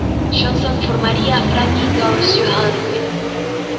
Johnson formaría Frankie Goes to Hollywood.